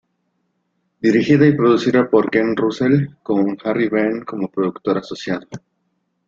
Dirigida y producida por Ken Russell, con Harry Benn como productor asociado.